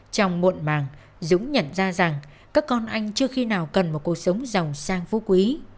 trong muộn màng dũng nhận ra rằng các con anh chưa khi nào cần một cuộc sống dòng sang phú quý